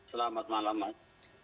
selamat malam mas